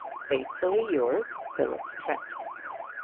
Faithfully yours, PHILIP TRENT.